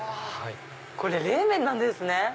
これ冷麺なんですね。